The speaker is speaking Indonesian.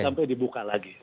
sampai dibuka lagi